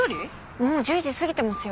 もう１０時過ぎてますよ。